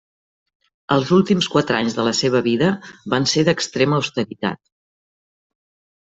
Els últims quatre anys de la seva vida van ser d'extrema austeritat.